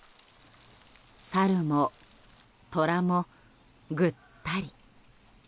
サルもトラも、ぐったり。